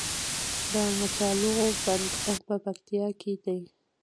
د مچالغو بند په پکتیا کې دی